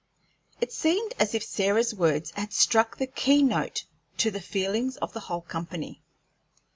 It seemed as if Sarah's words had struck the key note to the feelings of the whole company.